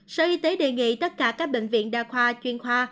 sở y tế đề nghị tất cả các bệnh viện đa khoa chuyên khoa